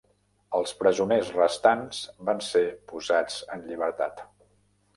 Els presoners restants van ser posats en llibertat.